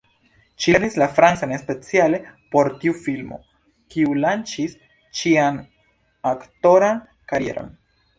Ŝi lernis la francan speciale por tiu filmo, kiu lanĉis ŝian aktoran karieron.